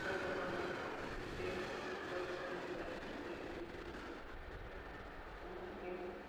Por ejemplo, múltiples usuarios pueden operar simultáneamente diversas aplicaciones al mismo tiempo.